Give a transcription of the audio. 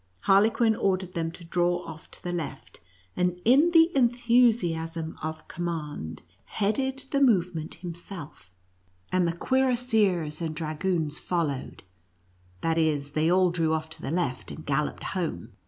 Harle quin ordered them to draw off to the left, and in the enthusiasm of command headed the move 44 NUTCRACKER AND MOUSE KING. nient himself, and the cuirassiers and dragoons followed; that is, they all drew off to the left, and galloped home.